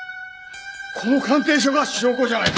この鑑定書が証拠じゃないか。